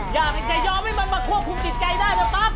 อยากจะยอมให้มันมาควบคุมจิตใจได้นะปั๊บ